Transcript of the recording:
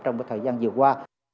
trong cái thời gian vừa qua